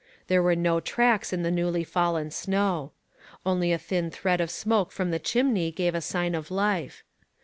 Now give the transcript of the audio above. There were no tracks in the newly fallen snow. Only a thin thread of smoke from the chimney gave a sign of life.